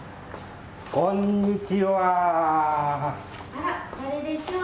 あら誰でしょう？